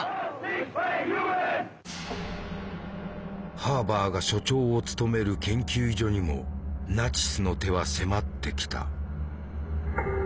ハーバーが所長を務める研究所にもナチスの手は迫ってきた。